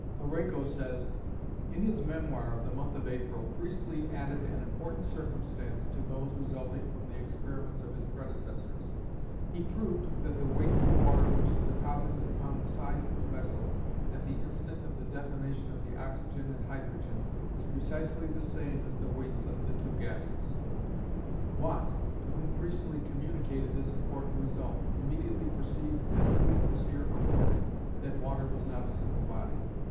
Arago says: In his memoir of the month of April, Priestley added an important circumstance to those resulting from the experiments of his predecessors: he proved that the weight of the water which is deposited upon the sides of the vessel, at the instant of the detonation of the oxygen and hydrogen, is precisely the same as the weights of the two gases. Watt, to whom Priestley communicated this important result, immediately perceived that proof was here afforded that water was not a simple body.